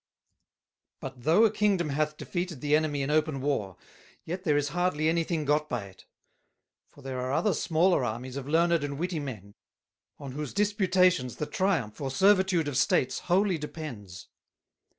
"But though a Kingdom hath defeated the Enemy in open War, yet there is hardly any thing got by it; for there are other smaller Armies of Learned and Witty Men, on whose Disputations the Triumph or Servitude of States wholly depends.